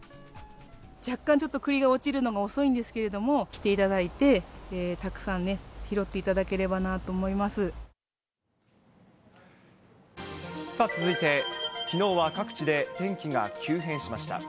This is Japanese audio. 若干ちょっとくりが落ちるのが遅いんですけれども、来ていただいて、たくさんね、拾っていたさあ、続いて、きのうは各地で天気が急変しました。